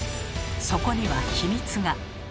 そこには秘密が。